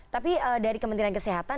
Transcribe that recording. tapi dari kementerian kesehatan